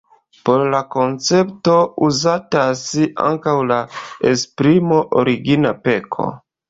Por la koncepto uzatas ankaŭ la esprimo "origina peko".